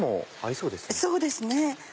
そうですね。